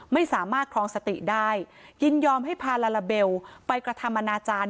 ไม่สามารถครองสติได้ยินยอมให้พาลาลาเบลไปกระทำอนาจารย์